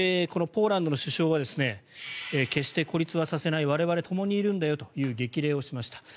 ポーランドの首相は決して孤立はさせない我々がともにいるんだよという激励をしました。